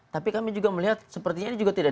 tapi kami juga melihat sepertinya ini juga tidak